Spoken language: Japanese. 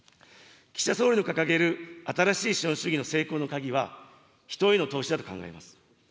岸田総理の掲げる新しい資本主義の成功の鍵は、人への投資だと考えます。